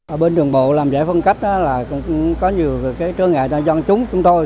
ở bên đường bộ làm giải phân cách là cũng có nhiều cái trơ ngại cho chúng tôi